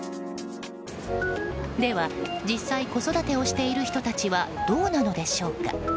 では、実際子育てをしている人たちはどうなのでしょうか。